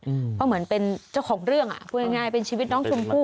เพราะเหมือนเป็นเจ้าของเรื่องอ่ะพูดง่ายเป็นชีวิตน้องชมพู่